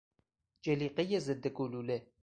جلیقهی ضد گلوله